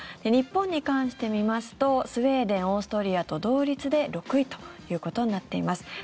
日本に関して見ますとスウェーデン、オーストリアと同率で６位ということになっています。